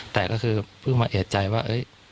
แต่ก็คือเพิ่งมาเอกใจว่า